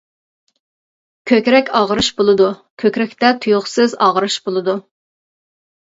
كۆكرەك ئاغرىش بولىدۇ، كۆكرەكتە تۇيۇقسىز ئاغرىش بولىدۇ.